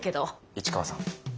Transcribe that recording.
市川さん